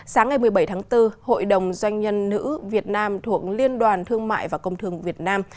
sáng ngày một mươi bảy tháng bốn hội đồng doanh nhân nữ việt nam thuộc liên đoàn thương mại và công thương việt nam